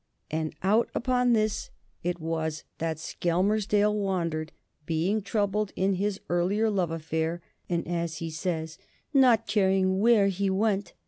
And out upon all this it was that Skelmersdale wandered, being troubled in his earlier love affair, and as he says, "not caring WHERE he went."